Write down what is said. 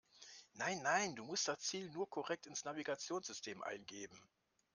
Nein, nein, du musst das Ziel nur korrekt ins Navigationssystem eingeben.